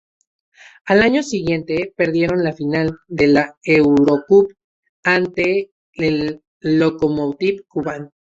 Al año siguiente perdieron la final de la Eurocup ante el Lokomotiv Kuban.